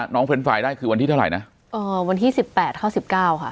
เพนไฟล์ได้คือวันที่เท่าไหร่นะเอ่อวันที่สิบแปดเท่าสิบเก้าค่ะ